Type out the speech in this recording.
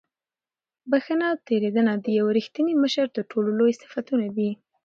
بښنه او تېرېدنه د یو رښتیني مشر تر ټولو لوی صفتونه دي.